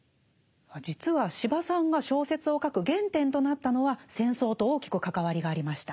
実は司馬さんが小説を書く原点となったのは戦争と大きく関わりがありました。